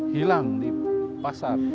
hilang di pasar